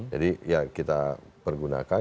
jadi ya kita pergunakan